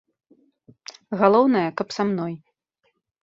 Галоўнае, каб са мной.